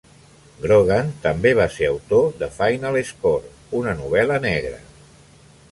Grogan també va ser autor de "Final Score", una novel·la negra.